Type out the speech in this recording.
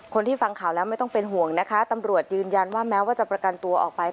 คนที่ฟังข่าวแล้วไม่ต้องเป็นห่วงนะคะตำรวจยืนยันว่าแม้ว่าจะประกันตัวออกไป